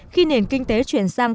khi nền kinh tế chuyển sang